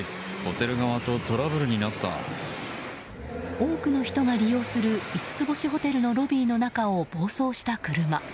多くの人が利用する五つ星ホテルのロビーの中を暴走した車。